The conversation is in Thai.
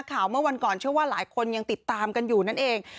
เมื่อวันก่อนเชื่อว่าหลายคนยังติดตามกันอยู่นั่นเอง